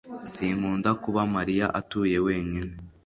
Sinkunda kuba Mariya atuye wenyine.